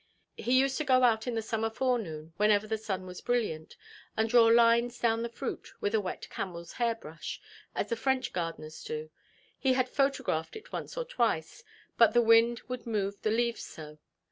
He used to go out in the summer forenoon, whenever the sun was brilliant, and draw lines down the fruit with a wet camelʼs hairbrush, as the French gardeners do. He had photographed it once or twice, but the wind would move the leaves so.